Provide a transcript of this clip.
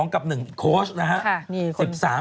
๑๒กับ๑โค้ชนะฮะ